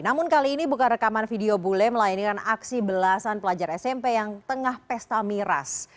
namun kali ini buka rekaman video bule melayanikan aksi belasan pelajar smp yang tengah pesta miras